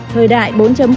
thời đại bốn